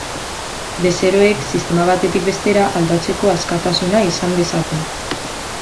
Bezeroek sistema batetik bestera aldatzeko askatasuna izan dezaten.